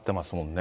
ね